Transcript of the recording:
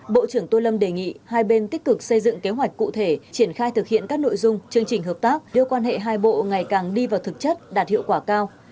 bộ trưởng tô lâm đề nghị hai bên tích cực xây dựng kế hoạch cụ thể triển khai thực hiện các nội dung chương trình hợp tác đưa quan hệ hai bộ ngày càng đi vào thực chất đạt hiệu quả cao